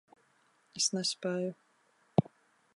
Es nespēju.